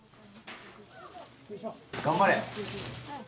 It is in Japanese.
頑張れ！